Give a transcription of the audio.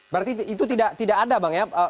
berarti itu tidak ada bang ya